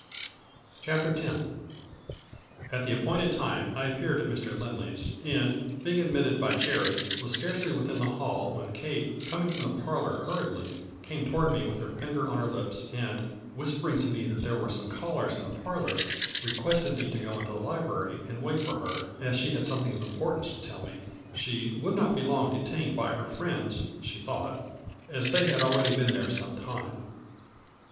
CHAPTER X. At the appointed time I appeared at Mr. Lindley's, and, being admitted by Jerry, was scarcely within the hall when Kate, coming from the parlor hurriedly, came toward me with her finger on her lips and, whispering to me that there were some callers in the parlor, requested me to go into the library and wait for her, as she had something of importance to tell me. She " would not be long detained by her friends," she thought, " as they had already been there some time."